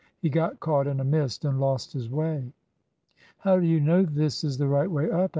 He got caught in a mist and lost his way." "How do you know this is the right way up?"